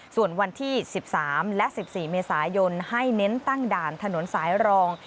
ส่วนวันที่๑๓และ๑๔เมษายนให้เน้นตั้งด่านถนนสายรอง